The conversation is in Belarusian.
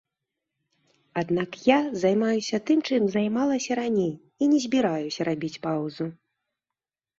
Аднак я займаюся тым, чым займалася раней, і не збіраюся рабіць паўзу.